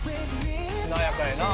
「しなやかやな」